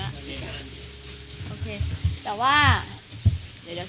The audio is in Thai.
ได้ครับไม่เข้า